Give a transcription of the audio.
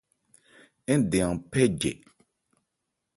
Ń dɛn an phɛ́ jɛ.